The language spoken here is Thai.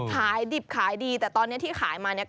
ขายดิบขายดีแต่ตอนนี้ที่ขายมาเนี่ย